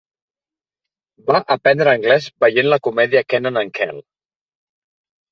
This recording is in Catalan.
Va aprendre anglès veient la comèdia Kenan and Kel.